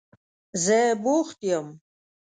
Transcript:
زه بوخت یم.